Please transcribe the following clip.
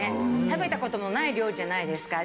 食べた事のない料理じゃないですか。